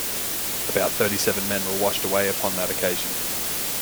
About thirty-seven men were washed away upon that occasion.